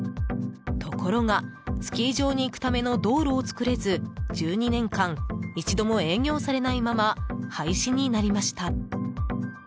ところが、スキー場に行くための道路を作れず１２年間一度も営業されないまま廃止になりました。